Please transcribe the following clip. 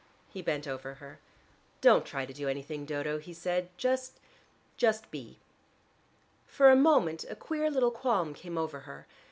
He bent over her. "Don't try to do anything, Dodo," he said. "Just just be." For a moment a queer little qualm came over her.